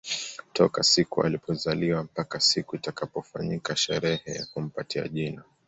Toka siku alipozaliwa mpaka siku itakapofanyika sherehe ya kumpatia jina